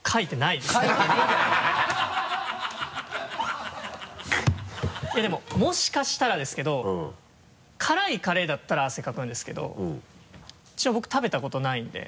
いやでももしかしたらですけど辛いカレーだったら汗かくんですけど一応僕食べたことないんで。